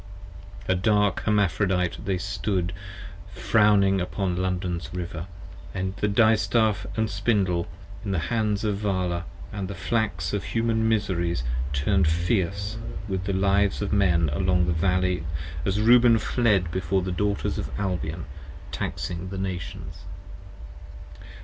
A dark Hermaphrodite they stood frowni(ni)ng upon London's River: And the Distaff & Spindle in the hands of Vala, with the Flax of Human Miseries, turn'd fierce with the Lives of Men along the Valley, As Reuben fled before the Daughters of Albion, Taxing the Nations.